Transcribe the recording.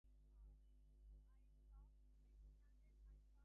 The Tanimbar Islands were part of the Dutch East Indies.